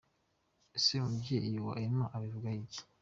Ese umubyeyi wa Emma abivugaho iki ?.